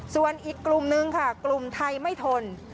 ส่วนอีกกลุ่มนึงค่ะกลุ่มไทยไม่ทน